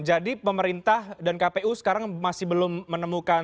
jadi pemerintah dan kpu sekarang masih belum menemukan